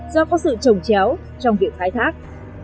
do có sự trồng chéo trong việc khai thác